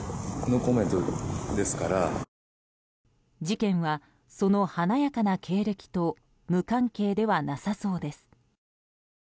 事件は、その華やかな経歴と無関係ではなさそうです。